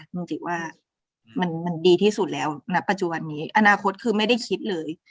จริงว่ามันดีที่สุดแล้วณปัจจุบันนี้อนาคตคือไม่ได้คิดเลย